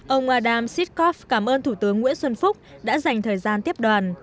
ông adam siskov cảm ơn thủ tướng nguyễn xuân phúc đã dành thời gian tiếp đoàn